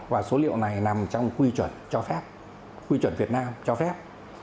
và số liệu này nằm trong quy chuẩn cho phép quy chuẩn việt nam cho phép